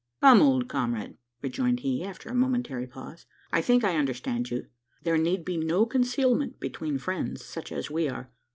"Come, old comrade!" rejoined he, after a momentary pause, "I think I understand you. There need be no concealment between friends, such as we are.